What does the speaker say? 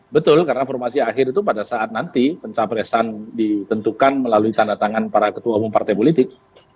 betul karena formasi akhir itu pada saat nanti pencapresan ditentukan melalui tanda tangan para ketua umum partai politik